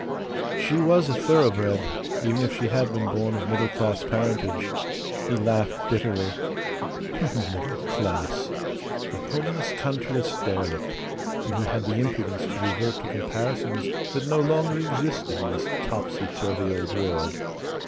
She was a thoroughbred, even if she had been born of middle class parentage. He laughed bitterly. Middle class. A homeless, countryless derelict, and he had the impudence to revert to comparisons that no longer existed in this topsy turvy old world.